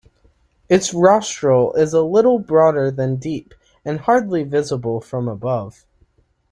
Its rostral is a little broader than deep and hardly visible from above.